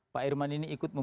pak irman ini ikut